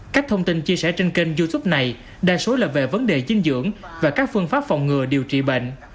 các thông tin chia sẻ trên kênh youtube này đa số là về vấn đề dinh dưỡng và các phương pháp phòng ngừa điều trị bệnh